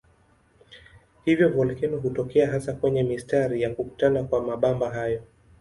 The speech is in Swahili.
Hivyo volkeno hutokea hasa kwenye mistari ya kukutana kwa mabamba hayo.